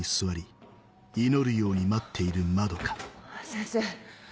先生。